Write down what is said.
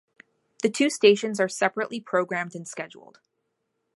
The two stations are separately programmed and scheduled.